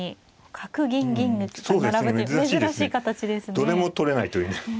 どれも取れないというね。